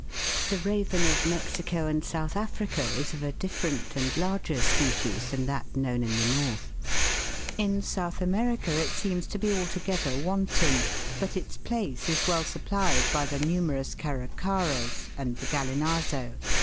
238 THE WORLDS LUMBER ROOM. The raven of Mexico and South Africa is of a different and larger species than that known in the north. In South America it seems to be altogether wanting, but its place is well supplied by the numerous Caracaras and the Gallinazo.